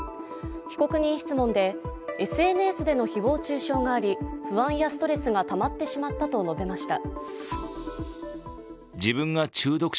被告人質問でＳＮＳでの誹謗中傷があり不安やストレスがたまってしまったと述べました。